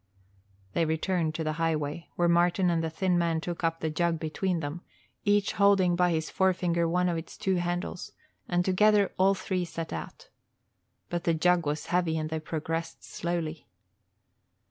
They returned to the highway, where Martin and the thin man took up the jug between them, each holding by his forefinger one of its two handles, and together all three set out. But the jug was heavy and they progressed slowly.